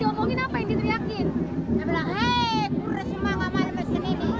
dia bilang hei kurus semangat mas ini